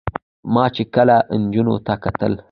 ما چې کله نجونو ته کتل